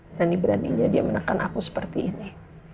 berani beraninya dia menekan aku seperti ini